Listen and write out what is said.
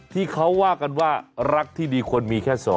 ที่เขาว่ากันว่ารักที่ดีควรมีแค่๒